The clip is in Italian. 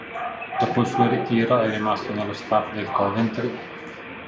Dopo il suo ritiro è rimasto nello staff del Coventry.